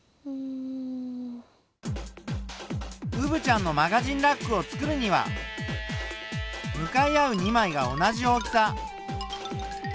うぶちゃんのマガジンラックをつくるには向かい合う２枚が同じ大きさ。